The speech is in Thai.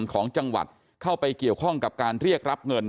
ของจังหวัดเข้าไปเกี่ยวข้องกับการเรียกรับเงิน